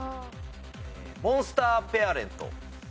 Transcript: モンスターペアレント。